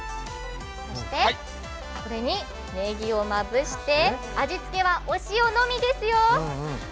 そしてこれにねぎをまぶして味付けはお塩のみですよ。